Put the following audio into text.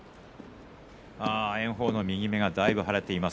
炎鵬の右目がかなり腫れています。